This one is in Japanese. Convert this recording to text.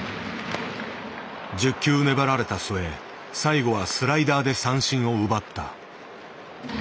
１０球粘られた末最後はスライダーで三振を奪った。